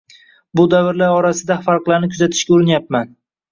va bu davrlar orasida farqlarni kuzatishga urinyapman.